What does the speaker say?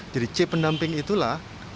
jadi c pendamping itulah